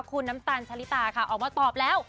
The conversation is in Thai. คุณน้ำตาลชะลิตาค่ะออกมาตอบแล้ว